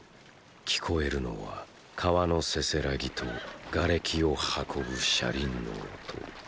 聞こえるのは川のせせらぎとガレキを運ぶ車輪の音。